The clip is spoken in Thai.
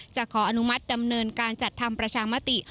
ขออนุมัติดำเนินการจัดทำประชามติ